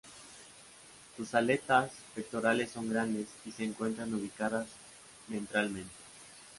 Sus aletas pectorales son grandes y se encuentran ubicadas ventralmente.